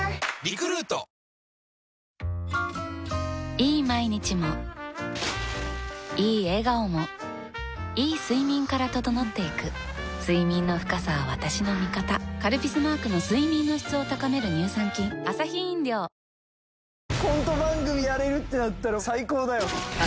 いい毎日もいい笑顔もいい睡眠から整っていく睡眠の深さは私の味方「カルピス」マークの睡眠の質を高める乳酸菌なにコレ食事を引き立てるお酒・・・？